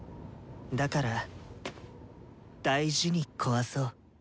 だから大事に壊そう。